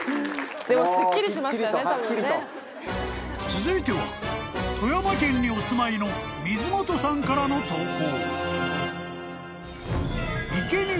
［続いては富山県にお住まいの水本さんからの投稿］